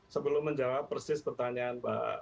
sebelum menjawab persis pertanyaan mbak